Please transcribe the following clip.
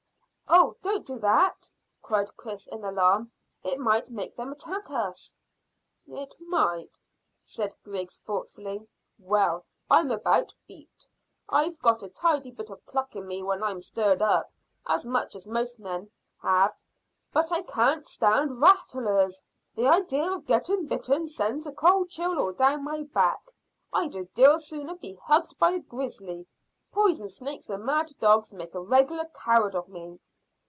"Oh, don't do that," cried Chris, in alarm. "It might make them attack us." "It might," said Griggs thoughtfully. "Well, I'm about beat. I've got a tidy bit of pluck in me when I'm stirred up as much as most men have but I can't stand rattlers. The idea of getting bitten sends a cold chill all down my back. I'd a deal sooner be hugged by a grizzly. Poison snakes and mad dogs make a regular coward of me."